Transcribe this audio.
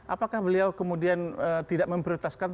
apakah beliau kemudian tidak memprioritaskan